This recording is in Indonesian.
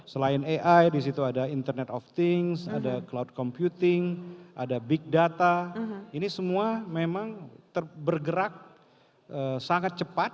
selain ai di situ ada internet of things ada cloud computing ada big data ini semua memang bergerak sangat cepat